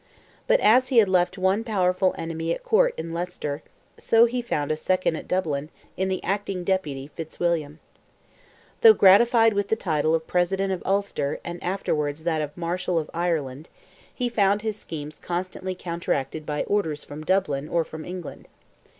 But as he had left one powerful enemy at court in Leicester—so he found a second at Dublin, in the acting deputy, Fitzwilliam. Though gratified with the title of President of Ulster and afterwards that of Marshal of Ireland, he found his schemes constantly counteracted by orders from Dublin or from England.